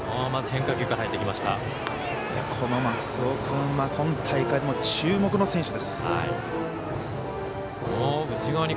この松尾君は今大会注目の選手です。